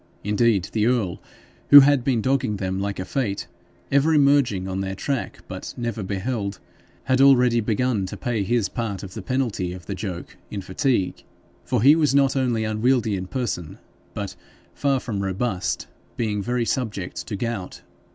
Indeed the earl, who had been dogging them like a Fate, ever emerging on their track but never beheld, had already began to pay his part of the penalty of the joke in fatigue, for he was not only unwieldy in person, but far from robust, being very subject to gout.